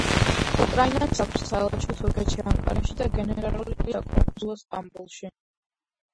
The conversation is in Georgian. უკრაინას აქვს საელჩო თურქეთში ანკარაში და გენერალური საკონსულო სტამბოლში.